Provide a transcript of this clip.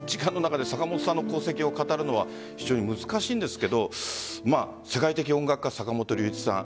本当に短い時間の中で坂本さんの功績を語るのは非常に難しいですけど世界的音楽家・坂本龍一さん。